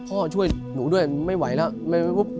พ่อช่วยหนูด้วยไม่ไหวละ